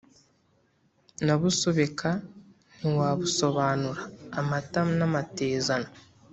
Nabusobeka ntiwabusobanura-Amata n'amatezano.